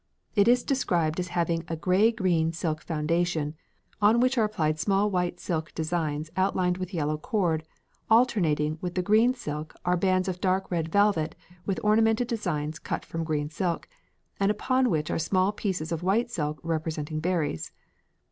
It is described as having a gray green silk foundation, on which are applied small white silk designs outlined with yellow cord; alternating with the green silk are bands of dark red velvet with ornamented designs cut from the green silk, and upon which are small pieces of white silk representing berries.